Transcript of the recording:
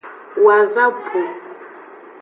Wazapu.